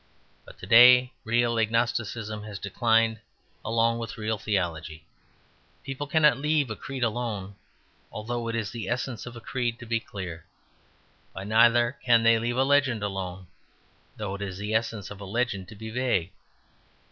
But to day real agnosticism has declined along with real theology. People cannot leave a creed alone; though it is the essence of a creed to be clear. But neither can they leave a legend alone; though it is the essence of a legend to be vague.